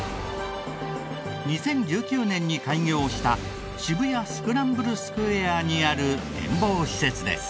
２０１９年に開業した渋谷スクランブルスクエアにある展望施設です。